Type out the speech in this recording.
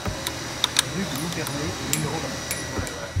Rue de Louverné au numéro vingt-cinq